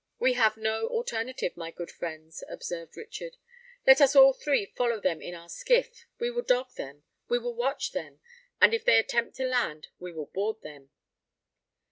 "We have no alternative, my good friends," observed Richard. "Let us all three follow them in our skiff: we will dog them—we will watch them; and if they attempt to land, we will board them."